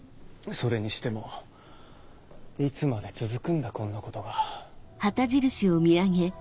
それにしてもいつまで続くんだこんなことが。